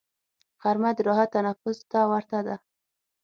غرمه د راحت تنفس ته ورته ده